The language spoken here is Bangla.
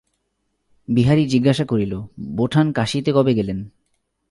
বিহারী জিজ্ঞাসা করিল, বোঠান কাশীতে কবে গেলেন।